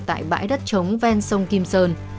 tại bãi đất chống ven sông kim sơn